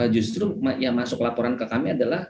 justru yang masuk laporan ke kami adalah